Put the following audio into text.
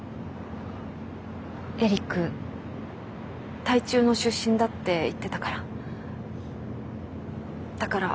エリック台中の出身だって言ってたからだから。